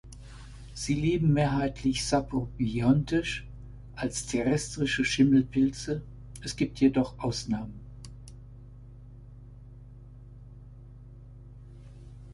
Sie leben mehrheitlich saprobiontisch als terrestrische Schimmelpilze, es gibt jedoch Ausnahmen.